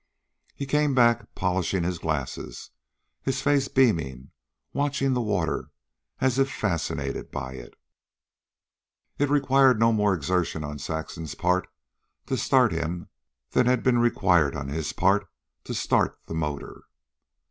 He came back, polishing his glasses, his face beaming, watching the water as if fascinated by it. It required no more exertion on Saxon's part to start him than had been required on his part to start the motor.